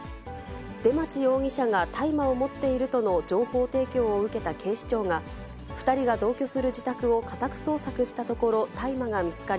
出町容疑者が大麻を持っているとの情報提供を受けた警視庁が、２人が同居する自宅を家宅捜索したところ、大麻が見つかり、